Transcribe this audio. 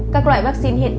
các loại vaccine hiện nay